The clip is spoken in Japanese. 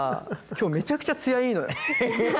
今日めちゃくちゃ艶いいのよ。